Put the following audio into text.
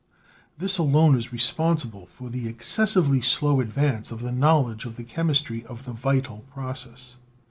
This alone is responsible for the excessively slow ad vance of the knowledge of the chemistry of the vital process.